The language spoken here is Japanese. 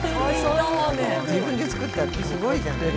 自分で作ったってすごいじゃない。